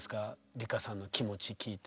梨花さんの気持ち聞いて。